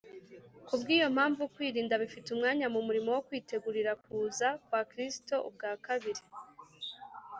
Kubw’iyo mpamvu, kwirinda bifite umwanya mu murimo wo kwitegurira kuza kwa Kristo ubwa kabiri.